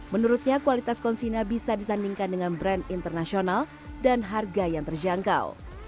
menurutnya kualitas konsina bisa disandingkan dengan brand internasional dan harga yang terjangkau